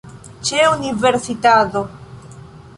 Ĉe universitado